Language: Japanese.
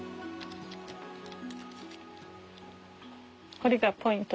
これがポイント。